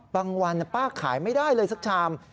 วันป้าขายไม่ได้เลยสักชาม